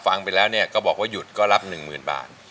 ฟังไปแล้วเนี่ยก็บอกว่าหยุดก็รับ๑๐๐๐บาท